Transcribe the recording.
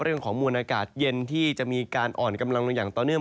มวลอากาศเย็นที่จะมีการอ่อนกำลังลงอย่างต่อเนื่อง